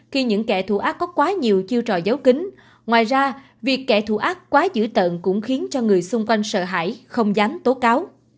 khi những kẻ thù ác có quá nhiều chiêu trò giấu kính ngoài ra việc kẻ thù ác quá dữ tận cũng khiến cho người xung quanh sợ hãi không dám tố cáo